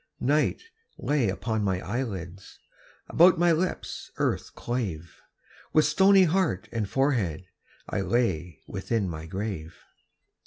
Night lay upon my eyelids, About my lips earth clave; With stony heart and forehead I lay within my grave.